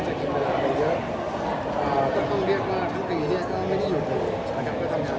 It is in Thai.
ไปเลี่ยงทางก็มีเดียวขึ้นไปก่อนเลยก็ลงบนฉันที่เขา